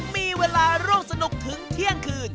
มีเวลาร่วมสนุกถึงเที่ยงคืน